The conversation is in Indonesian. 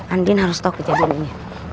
andin harus tahu kejadian ini